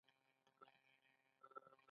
د غږ د ښه کیدو لپاره د ګرمو اوبو بخار واخلئ